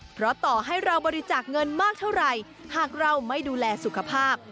เพราะต่อให้เราบริจาคเงินมากเท่าไหร่หากเราไม่ดูแลสุขภาพ